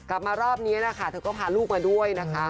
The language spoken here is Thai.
กลับมารอบนี้เธอก็พาลูกมาด้วย